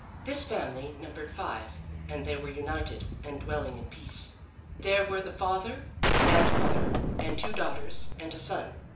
This family numbered five, and they were united and dwelling in peace. There were the father and mother and two daughters and a son.